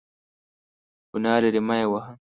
ګناه لري ، مه یې وهه !